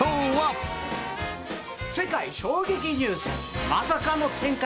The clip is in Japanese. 世界衝撃ニュース、まさかの展開